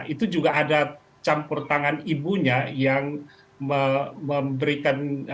itu juga ada campur tangan ibunya yang memberikan